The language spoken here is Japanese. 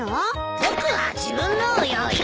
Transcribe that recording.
僕は自分のを用意する。